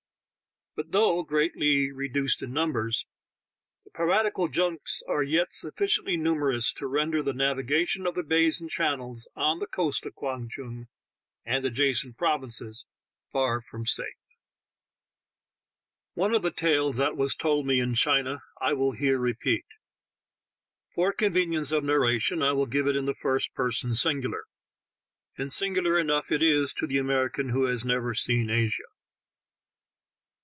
But though greatly reduced in numbers, the piratical junks are yet sufficiently numerous to render the navigation of the bays and channels on the coast of Kwang Tung and adjacent provinces far from safe. One of the tales that was told me in China I will here repeat; for convenience of narration I will give it in the first person singular, and singular enough it is to the American who has never seen Asia.